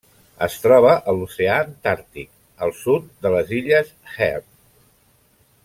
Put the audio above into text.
Es troba a l'oceà Antàrtic: el sud de les illes Heard.